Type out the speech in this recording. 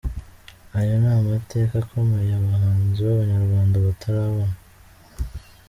Ayo ni amateka akomeye abahanzi b’abanyarwanda batarabona.